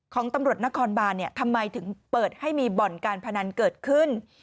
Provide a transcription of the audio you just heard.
ของตำรวจนครบานทำไมถึงเปิดให้มีบ่อนการพนันเกิดขึ้น